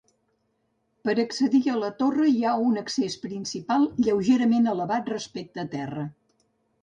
Per accedir a la torre hi ha un accés principal lleugerament elevat respecte a terra.